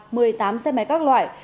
một mươi tám xe máy các loại